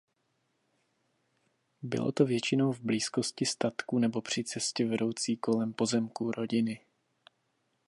Bylo to většinou v blízkosti statku nebo při cestě vedoucí kolem pozemků rodiny.